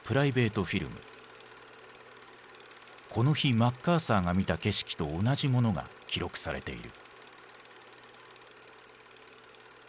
この日マッカーサーが見た景色と同じものが記録されている。